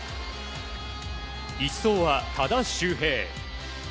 １走は多田修平。